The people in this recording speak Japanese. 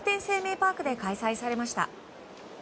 パークで開催されました。